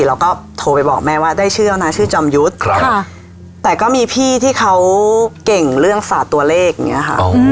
เราก็โทรไปบอกแม่ว่าได้ชื่อนะชื่อจอมยุทธ์แต่ก็มีพี่ที่เขาเก่งเรื่องฝาตัวเลขอย่างนี้ค่ะ